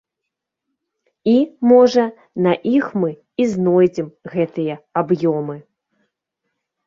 І, можа, на іх мы і знойдзем гэтыя аб'ёмы.